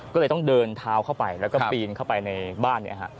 ก็เลยต้องเดินเท้าเข้าไปแล้วก็ปีนเข้าไปในบ้าน